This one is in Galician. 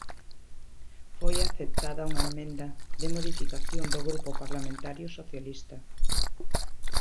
Foi aceptada unha emenda de modificación do Grupo Parlamentario Socialista.